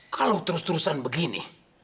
kalau terus terusan begini